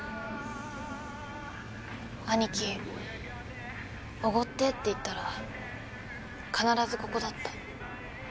兄貴おごってって言ったら必ずここだった。